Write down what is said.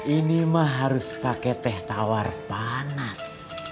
ini mah harus pakai teh tawar panas